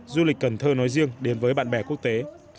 du lịch cần thơ nói riêng đến với bạn bè quốc tế